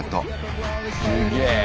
すげえ。